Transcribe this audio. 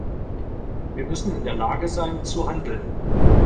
Wir müssen in der Lage sein zu handeln.